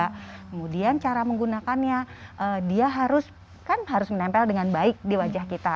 kemudian cara menggunakannya dia harus kan harus menempel dengan baik di wajah kita